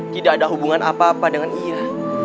tidak ada hubungan apa apa dengan ia